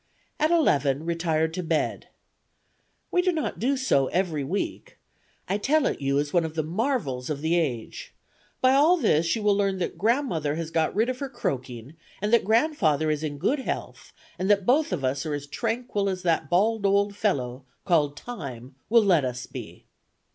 "At eleven, retired to bed. We do not so every week. I tell it you as one of the marvels of the age. By all this, you will learn that grandmother has got rid of her croaking, and that grandfather is in good health, and that both of us are as tranquil as that bald old fellow, called Time, will let us be.